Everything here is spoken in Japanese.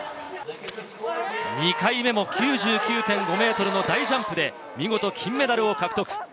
２回目も９９．５ｍの大ジャンプで見事金メダルを獲得。